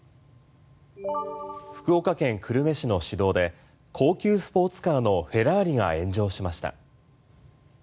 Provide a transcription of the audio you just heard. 福岡県久留米市の市道で高級スポーツカーのフェラーリが炎上しました。